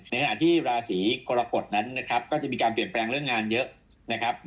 ในขณะที่ราศีกรกฎนั้นนะครับก็จะมีการเปลี่ยนแปลงเรื่องงานเยอะนะครับ